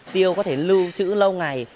tiêu có thể lưu trữ lâu ngày